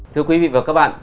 thưa quý vị và các bạn